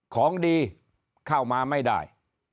ของดีเข้ามาไม่ได้